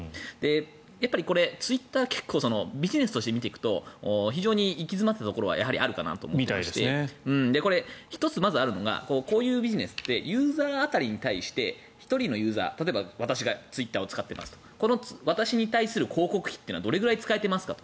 ツイッター、結構ビジネスとして見ていくと非常に行き詰まっていたところはやはりあるなと思っていましてこれ、１つまずあるのがこういうビジネスってユーザー当たりに対して１人のユーザーが例えば、私がツイッターを使っていますとこの私に対する広告費はどれだけ使えていますか。